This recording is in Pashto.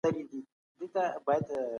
تخلیقي ادب په پوره دقت سره وشنئ.